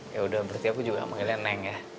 yaudah berarti aku juga panggilnya neng ya